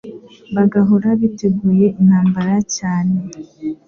bagahora biteguye intambara cyane